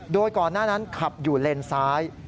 โดยก่อนหน้านั้นขับอยู่เลนซ้าย